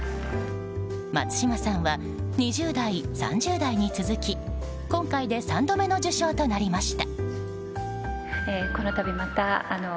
松嶋さんは２０代、３０代に続き今回で３度目の受賞となりました。